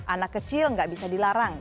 anak kecil nggak bisa dilarang